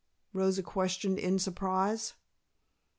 Rosa questioned in surprise.